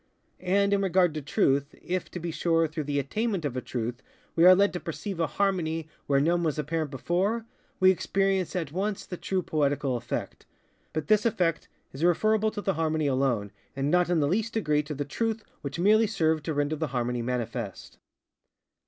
And in regard to Truth, if, to be sure, through the attainment of a truth we are led to perceive a harmony where none was apparent before, we experience at once the true poetical effect; but this effect is referable to the harmony alone, and not in the least degree to the truth which merely served to render the harmony manifest.